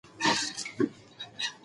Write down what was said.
منظم خوب د انسان انرژي ساتي.